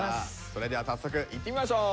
それでは早速いってみましょう。